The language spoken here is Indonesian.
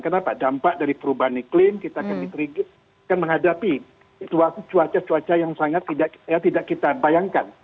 kenapa dampak dari perubahan iklim kita akan menghadapi situasi cuaca cuaca yang sangat tidak kita bayangkan